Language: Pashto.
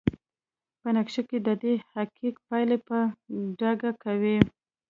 په نقشه کې ددې حقیق پایلې په ډاګه کوي.